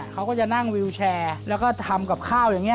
เขาก็จะนั่งวิวแชร์แล้วก็ทำกับข้าวอย่างนี้